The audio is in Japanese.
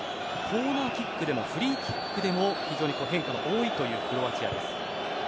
コーナーキックでもフリーキックでも非常に変化が多いというクロアチアです。